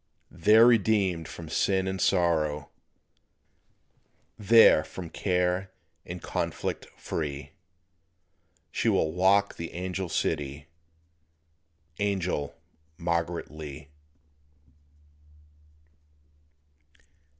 There redeemed from sin and sorrow, There from care and conflict free; She will walk the angel city, Angel Margaret Lee.